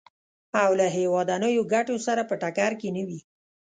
او له هېوادنیو ګټو سره په ټکر کې نه وي.